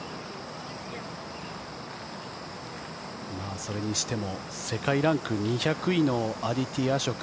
それにしても世界ランク２００位のアディティ・アショク。